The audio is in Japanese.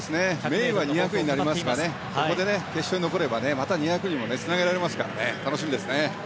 メインは２００になりますからここで決勝に残ればまた２００にもつなげられますから楽しみですね。